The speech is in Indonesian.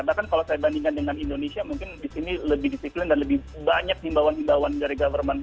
bahkan kalau saya bandingkan dengan indonesia mungkin di sini lebih disiplin dan lebih banyak himbauan himbauan dari government